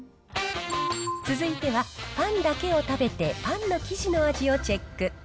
続いてはパンだけを食べてパンの生地の味をチェック。